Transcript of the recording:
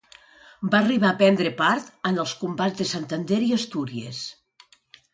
Va arribar a prendre part en els combats de Santander i Astúries.